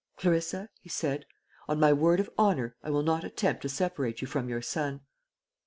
"Clarissa," he said, "on my word of honour, I will not attempt to separate you from your son."